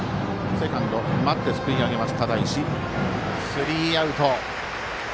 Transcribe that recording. スリーアウト。